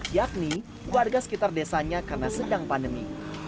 yakni warga sekitar desanya karena sedang pandemi